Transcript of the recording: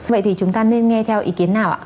vậy thì chúng ta nên nghe theo ý kiến nào ạ